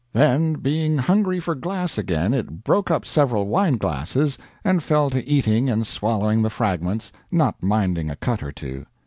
Then, being hungry for glass again, it broke up several wine glasses, and fell to eating and swallowing the fragments, not minding a cut or two.